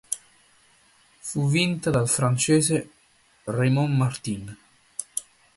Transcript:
Fu vinta dal francese Raymond Martin.